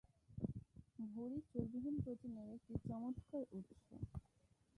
ভুঁড়ি চর্বিহীন প্রোটিনের একটি চমৎকার উৎস।